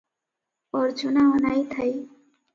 ଅର୍ଜୁନା ଅନାଇ ଥାଏ ।